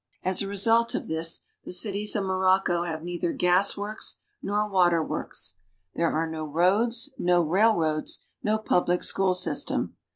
As a result of this, the cities of Morocco have neither gas works nor water works. There are no roads, no railroads, no public school system.